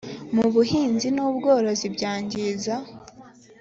mu buhinzi n ubworozi byangiza